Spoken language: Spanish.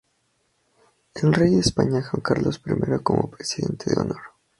El Rey de España Juan Carlos I, como Presidente de Honor.